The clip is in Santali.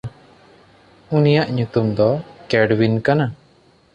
ᱩᱱᱤᱭᱟᱜ ᱧᱩᱛᱩᱢ ᱫᱚ ᱠᱮᱰᱣᱤᱱ ᱠᱟᱱᱟ᱾